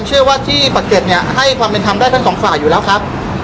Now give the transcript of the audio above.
พี่แจงในประเด็นที่เกี่ยวข้องกับความผิดที่ถูกเกาหา